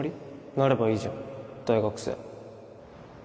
なればいいじゃん大学生